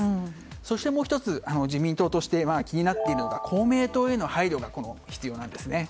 そしてもう１つ、自民党として気になっているのが公明党への配慮が必要なんです。